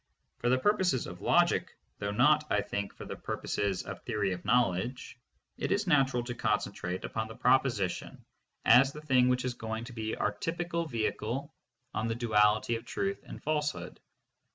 For the purposes of logic, though not, I think, for the purposes of theory of knowledge, it is natural to concentrate upon the proposition as the thing which is going to be our typical vehicle on the duality of truth and falsehood.